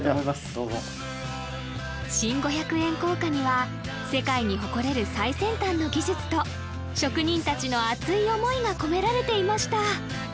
どうぞ新５００円硬貨には世界に誇れる最先端の技術と職人達の熱い思いが込められていました